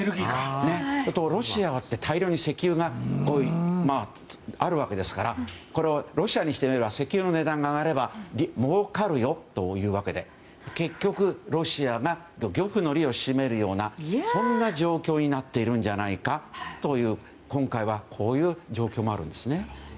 ロシアだって大量に石油があるわけですからこれは、ロシアにしてみれば石油の値段が上がれば儲かるよというわけで結局、ロシアが漁夫の利をしめるようなそんな状況になっているという今回はこういう状況もあるんですね。